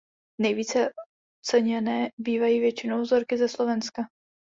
Nejvíce ceněné bývají většinou vzorky ze Slovenska.